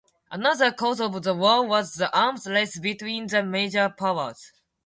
Another cause of the war was the arms race between the major powers.